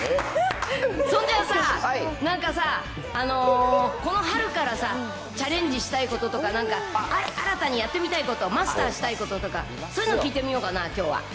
そんじゃさ、なんかさ、この春からさ、チャレンジしたいこととか、なんか新たにやってみたいこと、マスターしたいこととか、そういうの聞いてみようかな、きょうは。